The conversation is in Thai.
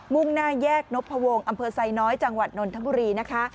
่งหน้าแยกนพวงอำเภอไซน้อยจังหวัดนนทบุรีนะคะ